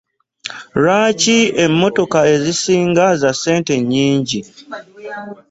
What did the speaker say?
Lwaki emmotoka ezisinga za ssente nnnnyingi?